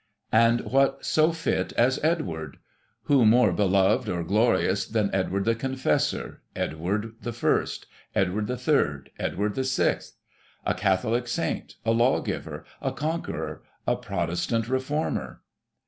"And what so fit as Edward.? Who more beloved, or' glorious, than Edward the Confessor — Edward L — Edward III. — Edward VI. .? A Catholic Saint — ^^a law giver — a con * queror — a Protestant Reformer?